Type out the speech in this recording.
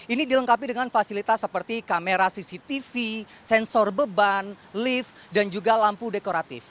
ini dilengkapi dengan fasilitas seperti kamera cctv sensor beban lift dan juga lampu dekoratif